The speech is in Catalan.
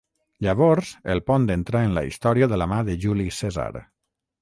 Llavors el pont entra en la història de la mà de Juli Cèsar.